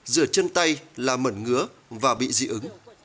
rửa chân tay là mẩn ngứa và bị dị ứng